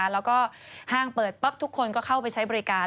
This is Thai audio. แล้วก็ห้างเปิดปั๊บทุกคนก็เข้าไปใช้บริการ